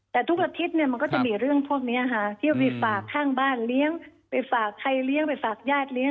แต่ทุกอาทิตย์เนี่ยมันก็จะมีเรื่องพวกนี้ค่ะที่เอาไปฝากข้างบ้านเลี้ยงไปฝากใครเลี้ยงไปฝากญาติเลี้ย